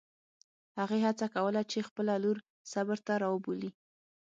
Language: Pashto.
هغې هڅه کوله چې خپله لور صبر ته راوبولي.